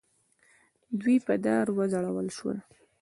دوی په دار وځړول شول.